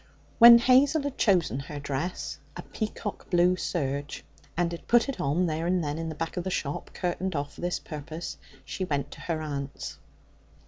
When Hazel had chosen her dress a peacock blue serge and had put it on there and then in the back of the shop, curtained off for this purpose, she went to her aunt's.